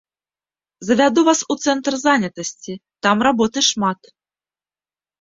Завяду вас у цэнтр занятасці, там работы шмат.